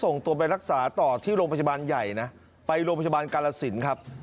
ส่งตัวไปรักษาต่อที่โรงพยาบาลใหญ่นะไปโรงพยาบาลกาลสินครับ